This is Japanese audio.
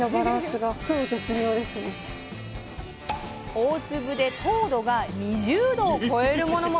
大粒で糖度が２０度を超えるものも！